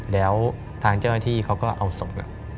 แล้วทางเจ้าหน้าที่เขาก็เอาศพ